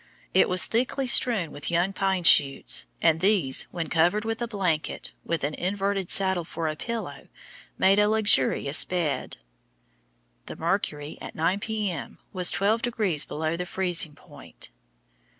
It was thickly strewn with young pine shoots, and these, when covered with a blanket, with an inverted saddle for a pillow, made a luxurious bed. The mercury at 9 P.M. was 12 degrees below the freezing point.